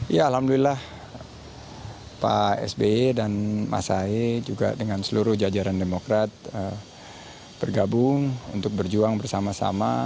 ya alhamdulillah pak sby dan mas ae juga dengan seluruh jajaran demokrat bergabung untuk berjuang bersama sama